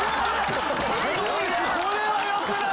これは良くない！